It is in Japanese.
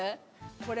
これ。